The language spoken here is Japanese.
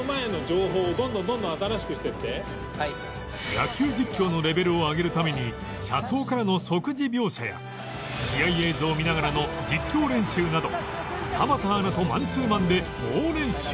野球実況のレベルを上げるために車窓からの即時描写や試合映像を見ながらの実況練習など田畑アナとマンツーマンで猛練習